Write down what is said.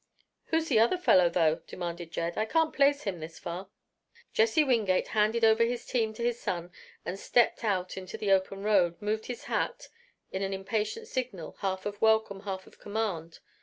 "Who's the other fellow, though?" demanded Jed. "I can't place him this far." Jesse Wingate handed over his team to his son and stepped out into the open road, moved his hat in an impatient signal, half of welcome, half of command.